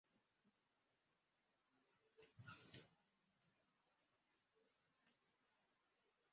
Umukobwa muto cyane ahagaze hanze yinyubako